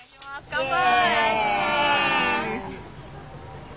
乾杯！